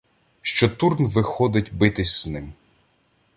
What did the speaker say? Що Турн виходить битись з ним